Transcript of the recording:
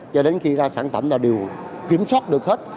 cho đến khi ra sản phẩm là đều kiểm soát được hết